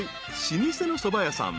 老舗のそば屋さん。